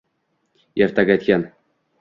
Ertak aytgan